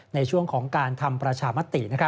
ในช่วงของการทำประชามติ